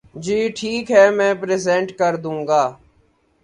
جی ٹھیک ہے میں پریزینٹ کردوں گا۔